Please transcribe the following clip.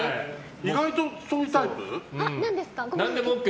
意外とそういうタイプ？